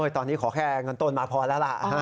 ตอนนี้ขอแค่เงินต้นมาพอแล้วล่ะ